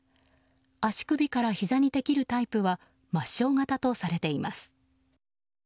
足首からひざにできるタイプは末しょう型とされています。